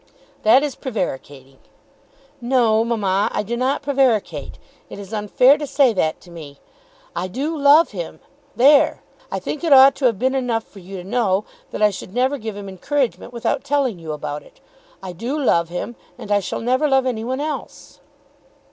"That is prevaricating." "No, mamma; I do not prevaricate. It is unfair to say that to me. I do love him. There. I think it ought to have been enough for you to know that I should never give him encouragement without telling you about it. I do love him, and I shall never love any one else."